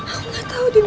aku nggak tahu dia di mana